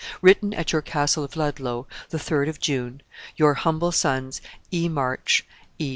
"Written at your Castle of Ludlow, the 3d of June. "Your humble sons, "E. MARCHE. "E.